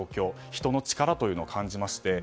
人の力というのを感じまして。